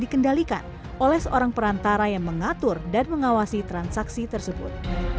dan kemungkinan anak dikendalikan oleh seorang perantara yang mengatur dan mengawasi transaksi tersebut